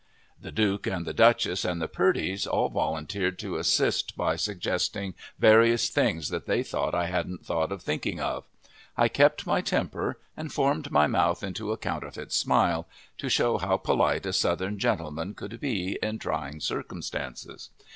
The Duke and the Duchess and the Purdys all volunteered to assist by suggesting various things that they thought I hadn't thought of thinking of. I kept my temper and formed my mouth into a counterfeit smile, to show how polite a Southern gentleman could be in trying circumstances.